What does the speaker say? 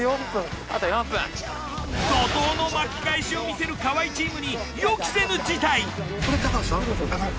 怒涛の巻き返しを見せる河合チームに予期せぬ事態！